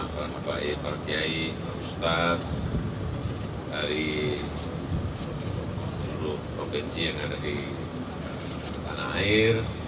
para abai partiai ustadz dari seluruh provinsi yang ada di tanah air